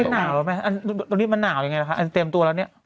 ต้องเป็นหนาวหรือเปล่าตรงนี้มันหนาวยังไงล่ะคะอันเต็มตัวแล้วนี่